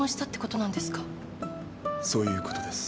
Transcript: そういうことです。